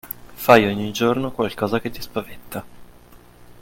Fai ogni giorno qualcosa che ti spaventa.